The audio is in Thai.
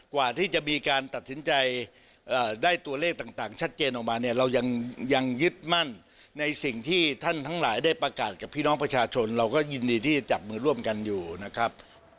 กว่าที่จะมีการตัดสินใจได้ตัวเลขต่างชัดเจนออกมาเนี่ยเรายังยึดมั่นในสิ่งที่ท่านทั้งหลายได้ประกาศกับพี่น้องประชาชนเราก็ยินดีที่จะจับมือร่วมกันอยู่นะครับ